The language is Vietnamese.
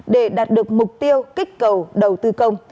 để đạt được mục tiêu kích cầu đầu tư công